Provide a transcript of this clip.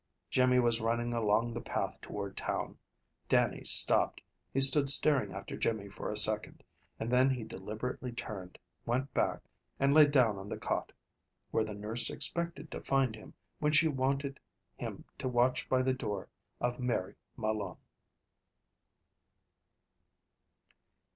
Jimmy was running along the path toward town. Dannie stopped. He stood staring after Jimmy for a second, and then he deliberately turned, went back, and lay down on the cot, where the nurse expected to find him when she wanted him to watch by the door of Mary Malone.